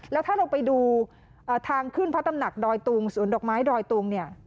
แล้วถ้าเราไปดูทางขึ้นพระตำหนักดอยตุงสวนดอกไม้ดอยตุงเนี่ย